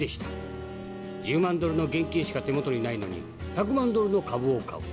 １０万ドルの現金しか手元にないのに１００万ドルの株を買う。